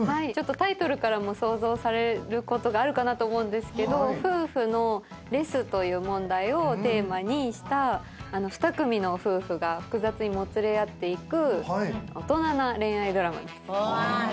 タイトルからも想像されることがあるかなと思うんですけど夫婦のレスという問題をテーマにした２組の夫婦が複雑にもつれ合っていく大人な恋愛ドラマです。